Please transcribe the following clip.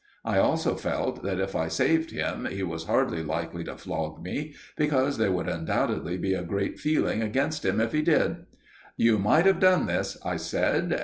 I also felt that, if I saved him, he was hardly likely to flog me, because there would undoubtedly be a great feeling against him if he did." "You might have done this," I said.